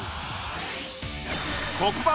黒板